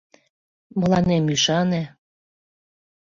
Мыланем ӱшане.